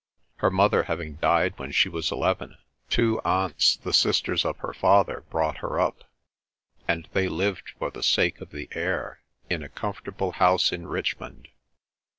Her mother having died when she was eleven, two aunts, the sisters of her father, brought her up, and they lived for the sake of the air in a comfortable house in Richmond.